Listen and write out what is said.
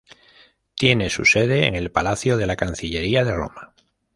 Tiene su sede en el Palacio de la Cancillería de Roma.